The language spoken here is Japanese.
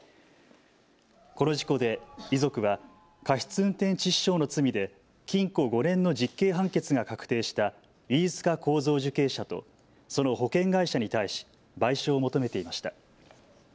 この事故で遺族は過失運転致死傷の罪で禁錮５年の実刑判決が確定した飯塚幸三受刑者とその保険会社に対し賠償を求めていました。